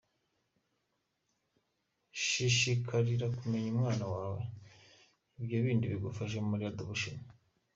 Shishikarira kumenya umwana wawe ibyo bindi bigufashe muri adaptation.